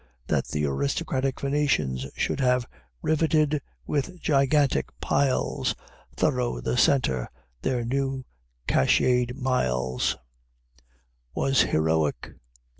That the aristocratic Venetians should have "Riveted with gigantic piles Thorough the center their new catchëd miles," was heroic.